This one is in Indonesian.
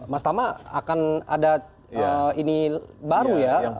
mas tama akan ada ini baru ya